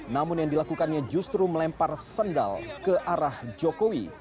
namun yang dilakukannya justru melempar sendal ke arah jokowi